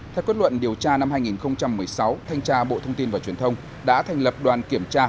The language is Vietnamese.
theo quyết luận điều tra năm hai nghìn một mươi sáu thanh tra bộ thông tin và truyền thông đã thành lập đoàn kiểm tra